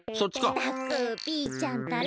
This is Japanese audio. ったくピーちゃんったら！